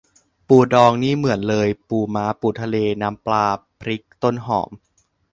ปูดองนี่เหมือนเลย ปูม้า ปูทะเล น้ำปลา พริก ต้นหอม